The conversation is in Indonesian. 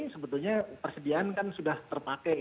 sebetulnya persediaan kan sudah terpakai